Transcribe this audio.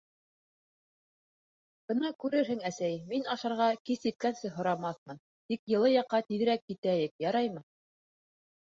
— Бына күрерһең, әсәй, мин ашарға кис еткәнсе һорамаҫмын, тик йылы яҡҡа тиҙерәк китәйек, яраймы?